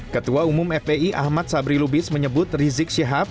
ketua umum fpi ahmad sabri lubis menyebut rizik syihab